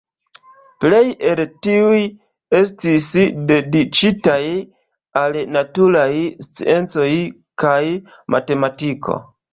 Plej el tiuj estis dediĉitaj al naturaj sciencoj kaj matematiko.